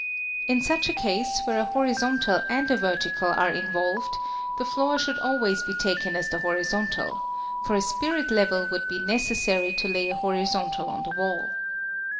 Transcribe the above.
In such a case, where a horizontal and a yertical are involved, the floor should always be taken as the horizontal, for a spirit level would be necessary to lay a horizontal on the wall.